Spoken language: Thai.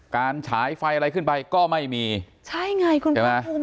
การฉายไฟอะไรขึ้นไปก็ไม่มีใช่ไงคุณคุณภูมิเลยใช่ไหม